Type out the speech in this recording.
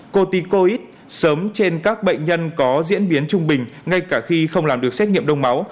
corticoid sớm trên các bệnh nhân có diễn biến trung bình ngay cả khi không làm được xét nghiệm đông máu